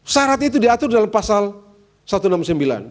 syarat itu diatur dalam pasal satu ratus enam puluh sembilan